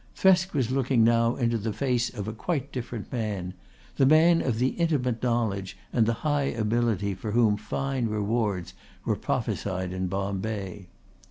Thresk was looking now into the face of a quite different man, the man of the intimate knowledge and the high ability for whom fine rewards were prophesied in Bombay.